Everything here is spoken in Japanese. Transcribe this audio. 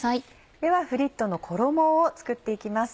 ではフリットの衣を作って行きます。